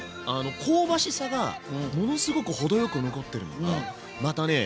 香ばしさがものすごく程よく残ってるのがまたね